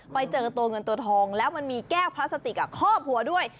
ไปเจอตัวเงินตัวทองแล้วมันมีแก้วพลาสติกคอบหัวด้วย